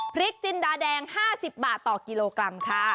จินดาแดง๕๐บาทต่อกิโลกรัมค่ะ